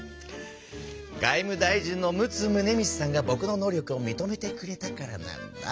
外務大臣の陸奥宗光さんがぼくの能力をみとめてくれたからなんだ。